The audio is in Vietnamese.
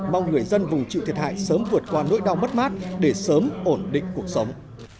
mong người dân vùng chịu thiệt hại sớm vượt qua nỗi đau mất mát để sớm ổn định cuộc sống